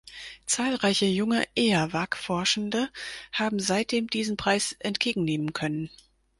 Zahlreiche junge Eawag-Forschende haben seitdem diesen Preis entgegennehmen können.